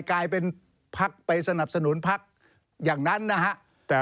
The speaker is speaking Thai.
กลายเป็นพักไปสนับสนุนพักอย่างนั้นนะฮะ